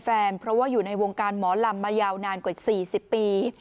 แฟนเพราะว่าอยู่ในวงการหมอลำมายาวนานกว่า๔๐ปี